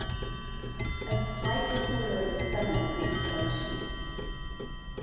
A slight disorder of the stomach makes them cheat.